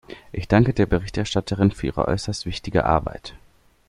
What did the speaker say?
Ich danke der Berichterstatterin für ihre äußerst wichtige Arbeit.